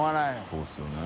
そうですよね。